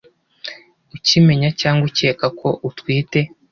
ukimenya cyangwa ukeka ko utwite,